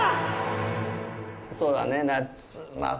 そうだね夏まあ